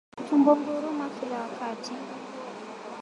Tumbo kunguruma kila wakati